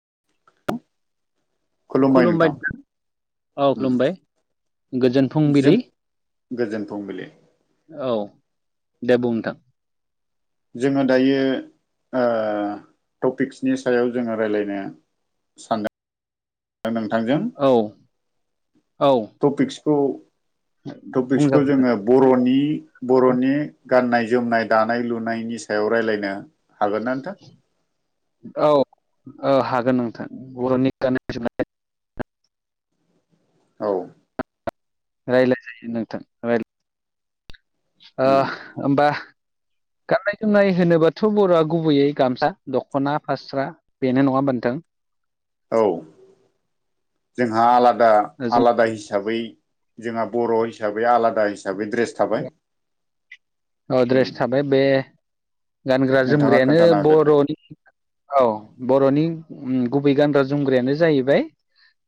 [inaudible] अ खुलुमबाय नोंथां औ उम खुलुमबाय गोजोन जों फुंबिलि गोजोन फुंबिलि औ दे बुं नोंथां। जोंङो दायो ओ टपिक्सनि सायाव जोंङो रायलायनो सानदों नोंथांजों औ औ टपिक्सखौ टपिक्सखौ बुंजागोन जोंङो बर'नि बर'नि गान्नाय-जोमनाय, दानाय-लुनायनि सायाव रायज्लायनो हागोन ना नोंथां? औ ओ हागोन नोंथां बर'नि गाननाय जोमनाय औ रायलाय जायो नोंथां राय ओ उम ओमबा गाननाय जोमनाय होनोबाथ बर'याथ गुबैयै गामसा, दख'ना, फास्रा बेनो नंङा होनबा नोंथां? औ जोंहा आलादा जों आलादा हि साबै जोंहा बर'हिसाबै आलादा हिसाबै ड्रेस थाबाय। औ उम ड्रेस थाबाय बे गानग्रा नोंथाङा जोमग्रायानो खोन्थाना होदो दे। बर'नि औ बर'नि उम गुबै गानग्रा जोमग्रायानो जाहैबाय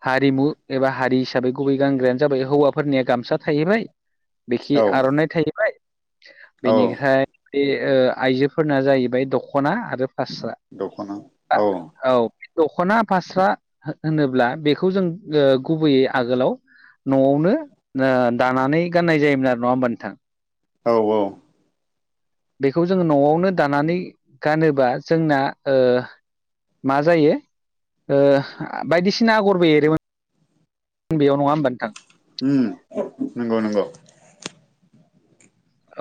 हारिमु एबा हारि हिसाबै गुबै गानग्रायानो जाबाय हौवाफोरनिया गामसा थाहैबाय बेखि औ आरनाइ थाहैबाय औ बेनिगहाय बे ओ आइजोफोरना जाहैबाय दख'ना आरो फास्रा आ औ दख'ना फास्रा होनोब्ला बेखौ जों ओ गुबैयै आगोलाव न'आवनो ओ दानानै गाननाय जायोमोन आरो नंङा होमबा नोंथां? औ औ बेखौ जोंङो न'आवनो दानानै गानोबा जोंना ओ मा जायो ओ बायदिसिना आगरबो एरोमोन । बेयाव नंङा होमबा नोंथां? उम नंगौ नंगौ।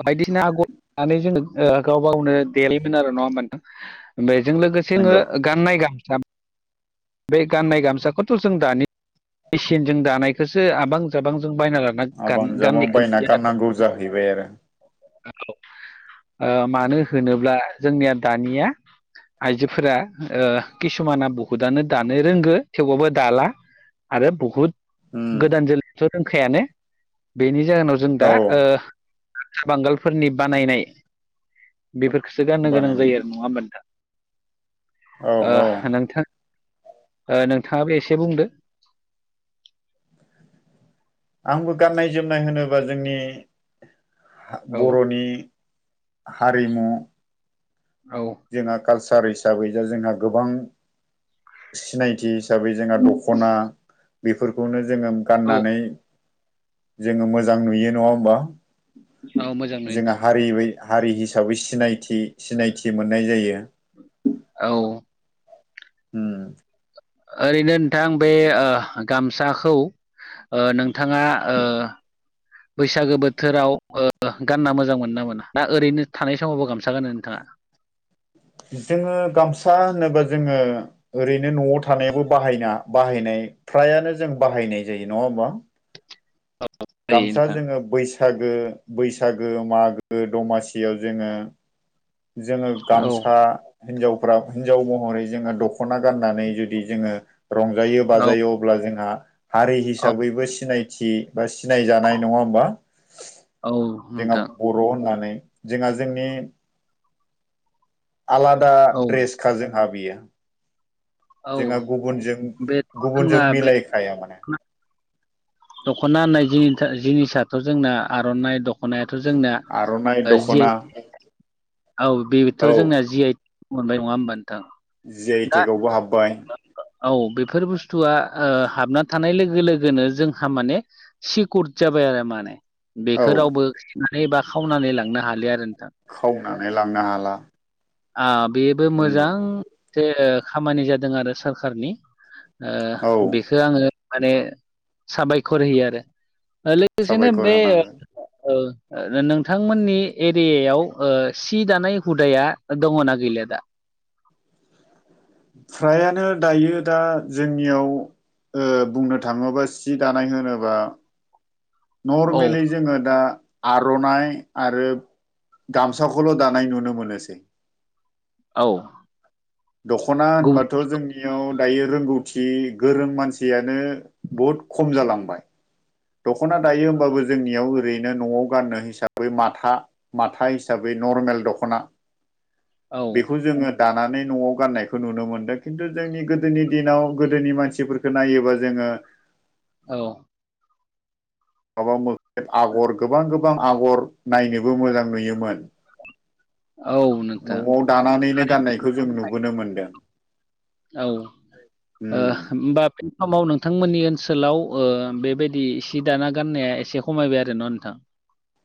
बायदिसिना आगरनानै जोंङो ओ गाव गावनो देलायोमोन आरो नंङा होमबा नोंथां? बे जों लोगोसे ङो नंगौ गाननाय गाम बे गाननाय गामसाखौथ जों दानि मेसिनजों दानायखोसो आबां जाबां जों बायना लाना हाबा गानो बिजाबाव गाननायखो बायना नुयो आरो। गाननांगौ जाहैबाय आरो औ ओ मानो होनोब्ला जोंनिया दानिया आइजोफोरा ओ किसुमाना बहुदानो दानो रोंगो थेवबाबो दाला आरो बुहुद उम गोदान जोलै थ रोंखायानो बेनि जाहोनाव जों औ दा ओ बांगालफोरनि बानायनाय बेफोरखौसो गाननो गोनां बानायनाय जायो आरो नंङा होमबा नोंथां? औ ओ औ नोंथां ओ नोंथाङाबो एसे बुंदो आंबो गाननाय जोमनाय होनोबा जोंनि औ बर'नि हारिमु औ जोंहा कालसार हिसाबै जा जोंहा गोबां सिनायथि हिसाबै जोंहा द'खना बेफोरखौनो जोङो औ गाननानै जोङो मोजां नुयो नङा होमबा औ मोजां नुयो जोंहा नोंथां। हारि हारि हिसाबै सिनायथि सिनायथि मोननाय जायो औ उम ओरैनो नोंथां बे ओ गामसाखौ ओ नोंथाङा ओ बैसागो बोथोराव ओ गानना मोजां मोनो ना मोना ना? ओरैनो थानाय समावबो गामसा गानो नोंथाङा [inaudible] जोङो गामसा होनोबा जोङो ओरैनो नआव थानायावबो बाहायना बाहायनाय फ्रायानो जों बाहायनाय जायो नङा होमबा? जायो गामसा नोंथां। जोङो बैसाग गो बैसागो मागो दमासियाव जोङो। जोङो औ गामसा हिनजावफोरा हिनजाव महरै जोङो दख' ना गाननानै जुदि जोङो रंजायो औ बाजायो अब्ला जोंहा हारि औ हिसाबैबो सिनायथि बा सिनायजानाय नङा होमबा? औ जोंहा नोंथां बर' होननानै जोंहा जोंनि आलादा औ द्रेसखा जोंहा बियो। औ जोंहा गुबुनजों बेथ' गुबुनजों जोंना बे मिलायखाया माने। दख'ना होननाय जिनिस- जिनिसाथ' जोंना आर'नाइ द ख'नायाथ' जोंना आर'नाइ जि दख'ना आइ औ बेथ' औ जोंना जि आइ टेग मोनबाय नङा होमबा नोथां? जि आइ टेकआवबो हाबबाय औ बेफोर बुस्थुआ ओ हाबना थानाय लोगो लोगोनो जों माने सिकुर जाबाय आरो माने। औ बेखौ रावबो [unintelligible] बा खावनानै लांनो हालि आरो खावनानै लांनो हाला। ओ बेबो उम मोजां जे खामानि जादों आरो सोरखारनि ओ औ बेखौ आङो माने साबायखर होयो आरो। ओ लोगोसेनो साबायखर बे होनांगोन ओ नोंथांमोननि एरियायाव ओ सि दानाय हुदाया दङना गैलि दा? [inaudible] नो दायो दा जोंनियाव ओ बुंनो थाङोबा सि दानाय होनोबा औ नर्मेलि जोङो दा। आर'नाइ आरो गामसाखौल' दानाय नुनो मोनोसै औ दख'ना गुबुन होनबाथ' जोंनियाव दायो रोंगौथि गोरों मानसियानो बहुद खम जालांबाय। दख'ना दायो होमबाबो जोंनियाव ओरैनो न'आव गाननो हिसाबै माथा माथा हिसाबै नर्मेल दख'ना औ बेखौ जोङो दानानै न'आव गाननायखौ नुनो मोनदों ।खिन्थु जोंनि गोदोनि दिनाव गोदोनि मानसिफोरखौ नायोबा जोङो ओ औ माबा मोबलिब आगर गोबां गोबां आगर नायनोबो मोजां नुयोमोन औ नोंथां न'आव दानानैनो आरो गाननायखौ जों नुबोनो मोनदों औ ओ उम होमबा बे समाव नोंथांमोननि ओनसोलाव ओ बेबायदि सि दाना गाननाया एसे खमायबाय आरो न नोंथां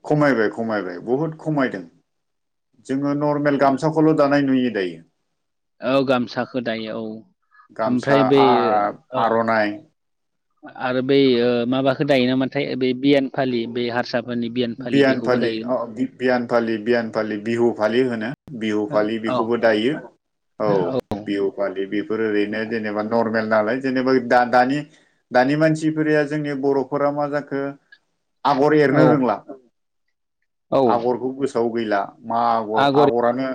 खमायबाय खमायबाय बहुद खमायदों जोङो नर्मेल गामसाखौल' दानाय नुयो जायो औ गामसाखौ दायो औ गामसा ओमफ्राय बे आ औ आर'नायनाय आरो बै माबाखौ दायो नामाथाय ब बियान फालि बे हारसा बियान फालि बियान फालि बियान फालि बिहु फालि होनो बिहु फालि औ बेखौ बो दायो औ बिहु फालि बेफोर ओैनो जेनेबा नर्मेल नालाय जेनेबा दा दानि मानसिफोरा जोंनि बर'फोरा मा जाखो आगर औ एरनो रोंला औ आगरखौ गोसोआव गैला मा आगर आगरानो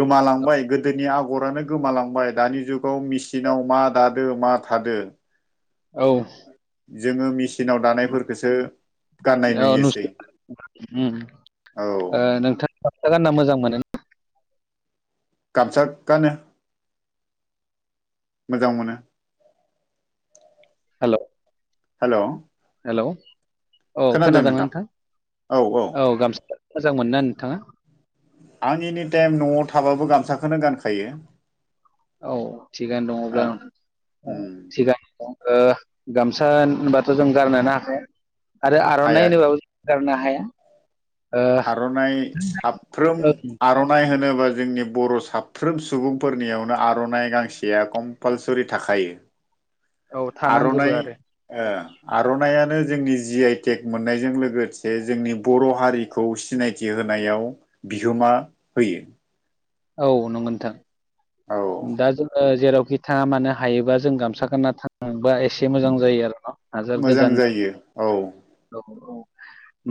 गोमालांबाय गोदोनि आगर गरानो गोमालांबाय दानि जुगाव मेसिनाव मा दादो मा थादो औ जोङो मेचिनाव दानायफोरखोसो गाननाय नुयो ओम ओ नोंथांआ गामसा गानना मोजां मोनो ना गामसा गानो मोजां मोनो हेलौ हेलौ हेलौ औ खोनादों नोंथां औ गामसा मोजां मोनोना नोंथाङा आं एनि टाइम न'आव थाबाबो गामसाखौनो गानखायो औ थिगानो दङब्ला ओ उम थिगानो ओ गामसा होनबाथ' जों गारनोनो हाखाया आरो आर'नाइ हाया होनोबाबो जों गारनो हाया ओ आर'नाइ साफ्रोम ओं आर'नाइ होनोबा जोंनि बर' साफ्रोम सुबुंफोरनियावनो आर'नाइ गांसेया कम्पालसरि थाखायो औ थानांगोबो आर'नाइ आरो ओ आर'नायानो जोंनि जि आइटेक मोननायजों लोगोसे जोंनि बर' हारिखौ सिनायथि हो होनायाव बिहोमा होयो औ नंगौ औ नोंथां दा जोङो जेरावखि थाङा मानो हायोबा जों गामसा गानना थांबाय एसे मोजां जायो आरो ना हाजार मोजां गोजान जा जायो औ औ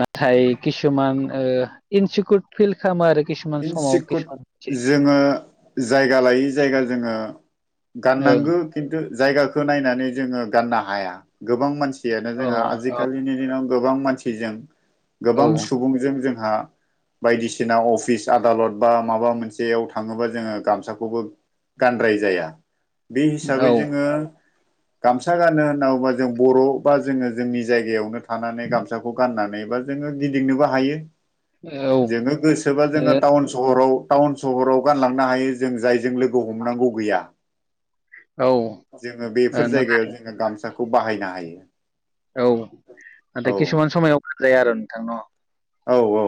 नाथाय किसुमान ओ इनसिकुर फिल खालामो आरोखि किसुमान समाव इनसिकुट किसुमान जोङो जायगा लायै जायगा जोङो ओं गाननांगो किन्तु जायगाखौ नायनानै जोङो गाननो हाया गोबां मानसियानो औ जोंहा आजिखालिनि दिनाव गोबां मानसिजों औ गोबां सुबुंजों जोंहा बायदिसिना अफिस आदालत बा माबा मोनसेयाव थाङोबा जोङो गामसाखौबो गानद्राय जाया बे हिसाबै औ जोङो गामसा गानो होनना बुंबा जों बर' बा जोङो जोंनि जायगायावनो थानानै गामसाखौ गाननानै जोङो गिदिंनोबो हायो औ ओ जोङो गोसोबा जोङो टाउन सहराव टाउन सहराव गानलांनो हायो जों जायजों लोगो हमनांगौ गैया औ जोङो बेफोर नाथाय जायगायाव जोङो गामसाखौ बाहायनो हायो। औ औ नाथाय किसुमान समायाव गानजाया आरो नोंथां अ औ औ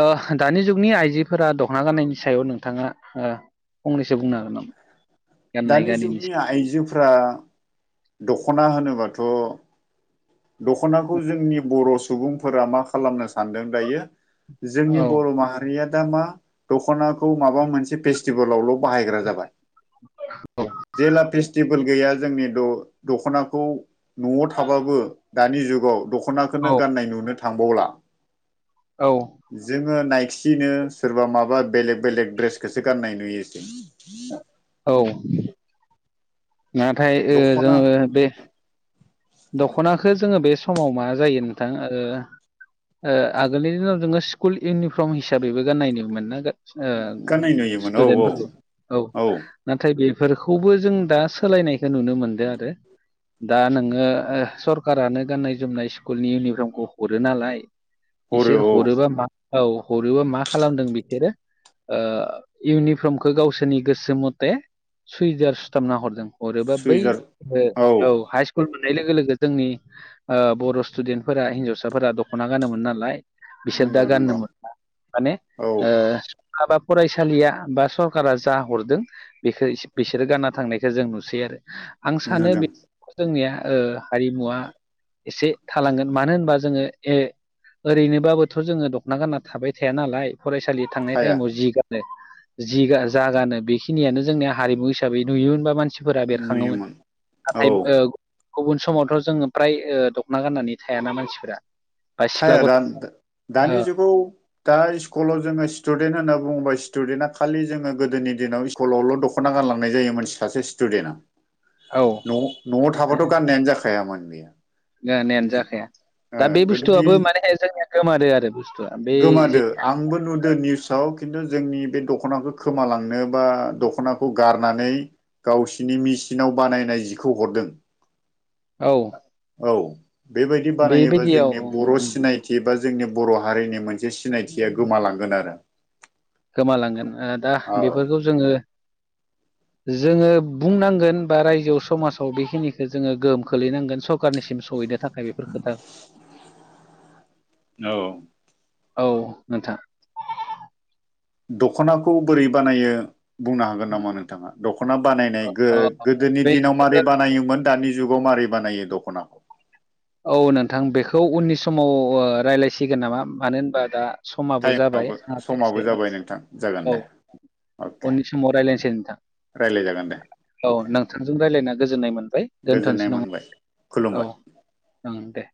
ओ दानि जुगनि आइजोफोरा दख'ना गाननायनि सायाव नोंथाङा ओ फंनैसो बुंनो हागोन नामा गाननाय दानि गानैनि जुगनि आइजोफोरा दख'ना होनोबाथ' दख'नाखौ जोंनि बर' सुबुंफोरा मा खालामनो सानदों दायो जोंनि सायाव? बर' माहारिया दा मा दख'नाखौ माबा मोनसे फेस्टिभेलावल' बाहायग्रा जाबाय जेला फेस्टिभेल गैया। जोंनि द' दख'नाखौ न'आव थाबाबो। दानि जुगाव औ दख'नाखौनो गाननाय नुनो थांबावला। औ जोंङो नायखिनो सोरबा माबा बेलेग बेलेग दड्रेसखौसो गाननाय नुयो जों औ नाथाय ओ दख'ना जोङो बे, दख'नाखौ जोङो बे समाव मा जायो नोंथां ओ ओ आगोलनि दिनाव जोङो स्कुल इउनिफर्म हिसाबैबो गाननायनो नुयोमोन, ओ गाननाय नुयोमोन औ औ स्टुदेन्टफोरखौ औ नाथाय बे, बेफोरखौबो जों दा सोलायनायखौ नुनो मोनदों आरो दा नोङो ओ सरकारानो गाननाय जोमनाय स्कुलनि इउनिफर्मखौ हरो नालाय। हरो बिसोर औ हरोबा मा औ हरोबा मा खालामदों बिसोरो। ओ इउनिफर्मखौ गावसोरनि गोसो मथे सुइदार सुथाबना हरदों, हरोबा बै सुइजार ओ औ हाइस्कुल, नाय लोगो लोगो जोंनि बर' स्टुडेन्टफोरा हिन्जावसाफोरा दख'ना गानोमोन नालाय, बिसोर दा नंगौ नंगौ गाननोमोनला माने औ ओ हाब फरायसालिया बा सरकारा जा हरदों बेखौ बिसोरो गानना थांनायखौ जों नुसै आरो आं सानो नुदों बे जोंनिया ओ हारिमुवा, एसे थालांगोन मानो होनबा जोङो ए, ओरैनोबाबोथ' जोङो दख'ना गानना थाबाय थाया नालाय फरायसालि थांनाय थाया टाइमाव जि गानो। जिगा जागानो बेखिनियानो जोंनिया हारिमु हिसाबै नुयोमोनबा मानसि फोरा बेरखाङोमोन नुयोमोन औ नाथाय ओ गुबुन समावथ' जोङो फ्राय ओ- दख'ना गाननानै थायाना मानसिफोरा, बा सिख्ला थाया गथ' दान दानि जुगाव दा स्कुलाव जोङो स्टुडेन्ट होनना बुंबा स्टुडेन्टआ खालि जोङो गोदोनि दिनाव [unintelligible] दख'ना गानलांनाय जायो मोनसे सासे स्टुडेन्टआ। औ न' न'आव थाबाथ' गाननायानो जाखाया [unintelligible] गानायानो जाखाया दा बे बुस्थु बुस्थु आबो गोदोनि माने जोंनिया गोमारो आरो बुस्थुआ बे गोमादो आंबो नुदो निउसाव खिन्थु जोंनि बे दख'ना खोमालांनो बा दखनाखौ गारनानै गावसिनि मेसिनाव बानायनाय जिखौ हरदों। औ औ बेबायदि बानायोबा बेबायदियाव जोंनि उम बर' उम सिनायथि बा जोंनि बर' हारिनि मोनसे जे सिनायथिया गोमालांगोन आरो गोमालांगोन ओ- दा औ बेफोरखौ जोङो, जोङो बुंनांगोन बा रायजोआव समाजाव बेखिनिखौ जोङो गोहोम खोलैनांगोन सरखारनिसिम, सहैनो थाखाय बेफोर खोथा [inaudible] औ औ नोंथा दख'नाखौ बोरै बानायो। बुंनो हागोन नामा? नोंथाङा दख'ना बानायनाय अ गो- गोदोनि बे दिनाव मारै बानायोमोन दानि जुग गमारि बानायो दख'नाखौ औ नोंथां बेखौ उननि समाव रायज्लायसिगोन नामा? मानो होनबा दा। समाबो टाइमाबो समाबो जाबायसे आ जाबाय नोंथां जागोन [unintelligible] औ। दे अके उननि समाव रायलायनिसै नोंथां। रायज्लाय जागोन दे औ अके नोंथांजों रायलायना गोजोननाय मोनबाय गोजोननाय दोनथ'नोसै [unintelligible] मोनबाय खुलुमबाय, ओं दे,